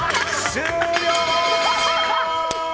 終了！